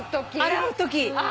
洗うとき。